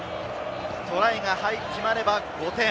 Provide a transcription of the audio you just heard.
トライが決まれば５点。